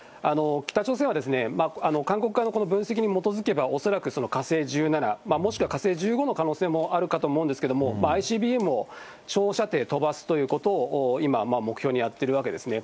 北朝鮮は韓国側のこの分析に基づけば、恐らく火星１７、もしくは火星１５の可能性もあるかとは思うんですけれども、ＩＣＢＭを長射程飛ばすということを今、目標にやってるわけですね。